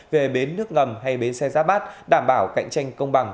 về bến nước ngầm hay bến xe giáp bát đảm bảo cạnh tranh công bằng